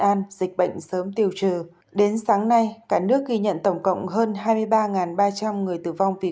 an dịch bệnh sớm tiêu trừ đến sáng nay cả nước ghi nhận tổng cộng hơn hai mươi ba ba trăm linh người tử vong vì